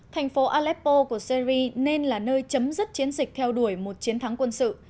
thành phố aleppo của syri nên là nơi chấm dứt chiến dịch theo đuổi một chiến thắng quân sự